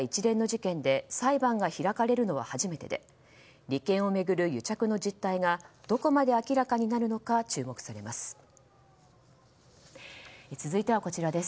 合計１５人が起訴された一連の事件で裁判が開かれるのは初めてで利権を巡る癒着の実態がどこまで明らかになるのか注目されます。